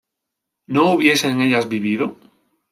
¿no hubiesen ellas vivido?